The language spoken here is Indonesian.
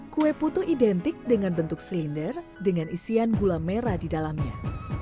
kue putu identik dengan bentuk silinder dengan isian gula merah di dalamnya